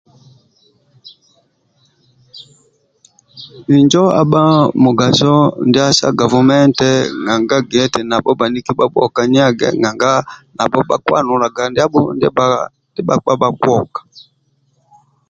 Injo abha mugaso ndia sa gavumenti nanga gia eti nabho bhaniki bhabhuokage nanga nabho bhakianulaga ndiabho ndia bhakpa bhakioka